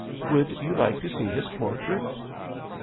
Would you like to see his por trait